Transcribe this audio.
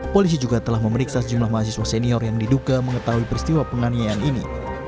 polisi juga telah memeriksa sejumlah mahasiswa senior yang diduga mengetahui peristiwa penganiayaan ini